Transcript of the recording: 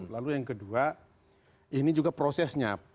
lalu yang kedua ini juga prosesnya